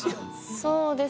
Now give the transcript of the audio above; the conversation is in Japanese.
そうです。